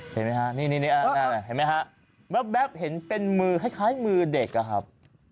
เห็นไหมครับแบ๊บเห็นเป็นมือคล้ายมือเด็กอ่ะครับ